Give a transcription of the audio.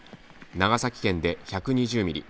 長崎県で１２０ミリ